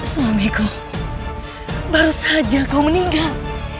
suamiku baru saja kau meninggal